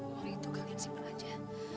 uang itu kalian simpen aja